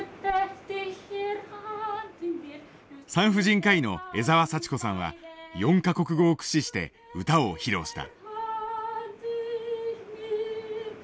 産婦人科医の江澤佐知子さんは４か国語を駆使して歌を披露した。